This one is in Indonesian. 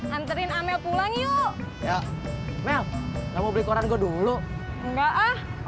hari ini mau ojek enggak